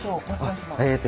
えっと